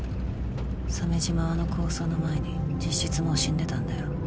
鮫島はあの抗争の前に実質もう死んでたんだよ。